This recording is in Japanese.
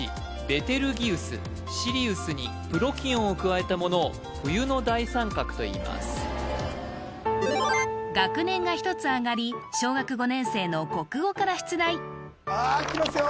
ベテルギウスシリウスにプロキオンを加えたものを冬の大三角といいます学年が１つ上がり小学５年生の国語から出題ああきますよ